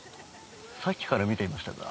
さっきから見ていましたが。